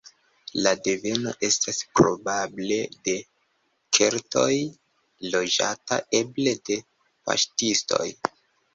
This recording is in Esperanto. La deveno estas probable de keltoj, loĝata eble de paŝtistoj.